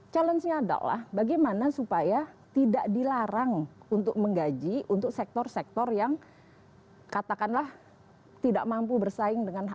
challenge nya adalah bagaimana supaya tidak dilarang untuk menggaji untuk sektor sektor yang katakanlah tidak mampu bersaing dengan harga